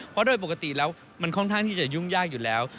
เพราะโดยปกติแล้วมันค่อนข้างที่จะยุ่งยากอยู่แล้ว